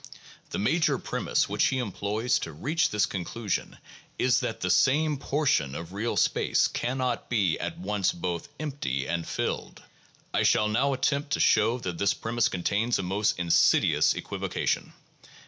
The major premise which he employs to reach this conclusion is that "the same portion of real space" cannot " be at once both empty and filled." 2 I shall now attempt to show that this premise contains a most insidious equivocation.